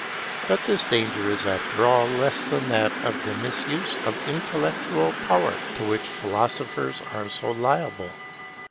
But this danger is after all less than that of the misuse of intellectual power to which philosophers are so liable.